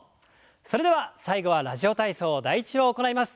それでは最後は「ラジオ体操第１」を行います。